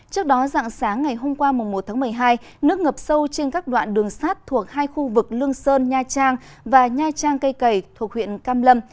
trước đó dạng sáng ngày hôm qua một tháng một mươi hai nước ngập sâu trên các đoạn đường sát thuộc hai khu vực lương sơn nha trang và nha trang cây cầy thuộc huyện cam lâm